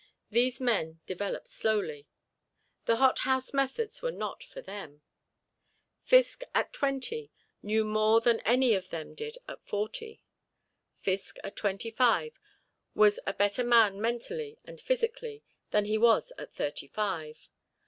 These men developed slowly: the hothouse methods were not for them. Fiske at twenty knew more than any of them did at forty. Fiske at twenty five was a better man mentally and physically than he was at thirty five.